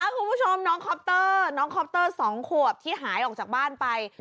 คุณผู้ชมน้องคอปเตอร์น้องคอปเตอร์๒ขวบที่หายออกจากบ้านไป